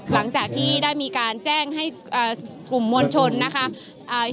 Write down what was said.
หลังจากที่ได้มีการแจ้งให้อ่ากลุ่มมวลชนนะคะ